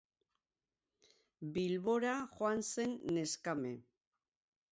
Bilbora joan zen neskame.